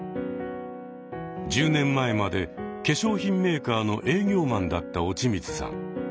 １０年前まで化粧品メーカーの営業マンだった落水さん。